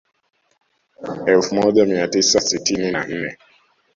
Elfu moja mia tisa sitini na nne